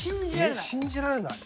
信じられない。